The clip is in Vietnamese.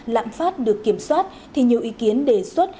lạm phát được kiểm soát thì nhiều ý kiến đề xuất